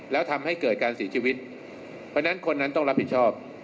แล้วทำให้เกิดการเสียชีวิตเพราะฉะนั้นคนนั้นต้องรับผิดชอบ